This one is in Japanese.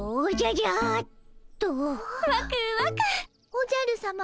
おじゃるさま